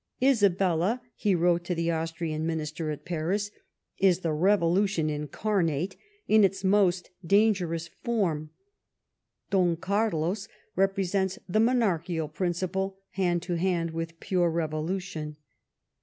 '* Isabella," he wrote to the Austrian minister at Paris, *' is the Revolu tion incarnate in its most dangerous form ; Don Carlos represents the monarchical principle hand to hand with pure revolution."